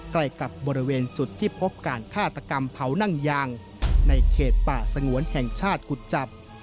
ใกล้กับบริเวณจุดที่พบการฆาตกรรมเผานั่งยางในเขตป่าสงวนแห่งชาติกุจจับ